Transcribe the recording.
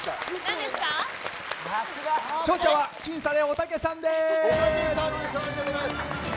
勝者は僅差でおたけさんです。